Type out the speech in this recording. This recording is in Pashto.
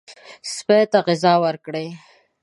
سپي ته غذا ورکړئ.